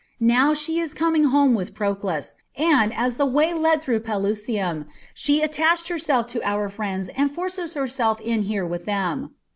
Now she is coming home with Proclus, and, as the way led through Pelusium, she attached herself to our friends and forces herself in here with them.